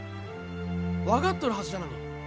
分かっとるはずじゃのに。